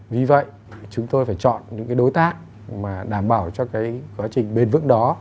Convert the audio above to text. vì vậy chúng tôi phải chọn những đối tác mà đảm bảo cho cái quá trình bền vững đó